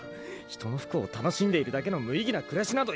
人の不幸を楽しんでいるだけの無意義な暮らしなどいらん。